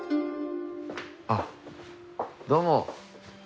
あっどうも。